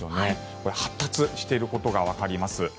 これは発達していることがわかります。